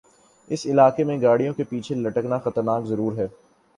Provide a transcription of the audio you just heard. اس علاقے میں گاڑیوں کے پیچھے لٹکنا خطرناک ضرور ہے